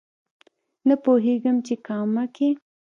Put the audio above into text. نه پوهېږم چې کامه کې